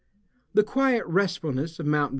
The quiet restfulness of Mt.